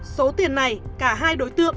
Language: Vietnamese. số tiền này cả hai đối tượng